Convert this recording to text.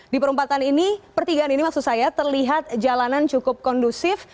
di perempatan ini pertigaan ini maksud saya terlihat jalanan cukup kondusif